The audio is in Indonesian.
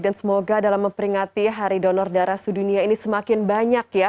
dan semoga dalam memperingati hari donor darah sudu dunia ini semakin banyak ya